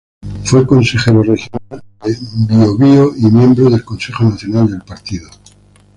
Fue consejero regional de Biobío y miembro del Consejo Nacional del partido.